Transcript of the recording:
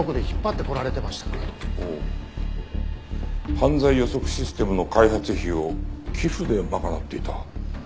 犯罪予測システムの開発費を寄付で賄っていた。